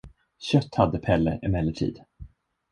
Kött hade Pelle emellertid.